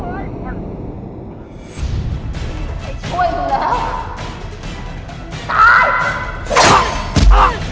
ไอ้ช่วยดูแล้ว